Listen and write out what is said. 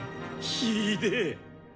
ひでえ！